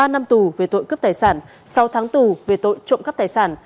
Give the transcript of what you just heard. ba năm tù về tội cướp tài sản sáu tháng tù về tội trộm cắp tài sản